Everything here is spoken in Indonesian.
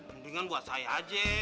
mendingan buat saya aja